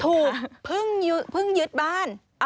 ถูกพึ่งยึดบ้าน